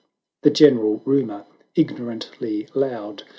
The general rumour ignorantly loud.